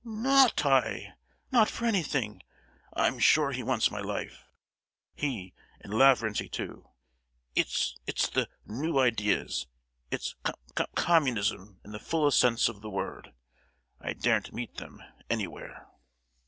"N—not I! Not for anything! I'm sure he wants my life, he and Lavrenty too. It's—it's the 'new ideas;' it's Com—Communism, in the fullest sense of the word. I daren't meet them anywhere."